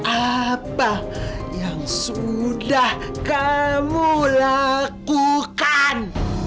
apa yang sudah kamu lakukan